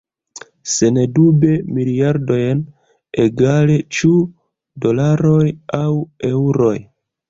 Sendube miliardojn – egale, ĉu dolaroj aŭ eŭroj.